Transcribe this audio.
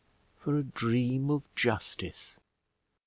For a dream of justice.